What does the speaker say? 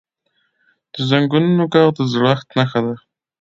د زنګونونو ږغ د زړښت نښه ده.